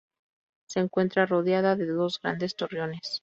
Se encuentra rodeada de dos grandes torreones.